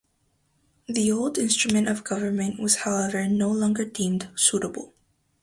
The old Instrument of Government was however no longer deemed suitable.